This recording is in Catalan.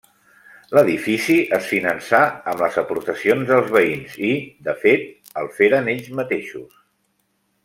L'edifici es finançà amb les aportacions dels veïns i, de fet, el feren ells mateixos.